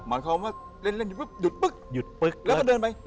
หมายความว่าเล่นอยู่ปุ๊บหยุดปึ๊กหยุดปึ๊กแล้วก็เดินไป